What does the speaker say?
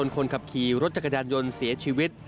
คนขับขี่รถจักรยานยนต์เสียชีวิต